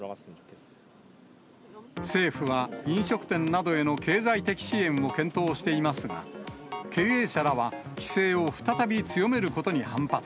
政府は飲食店などへの経済的支援を検討していますが、経営者らは規制を再び強めることに反発。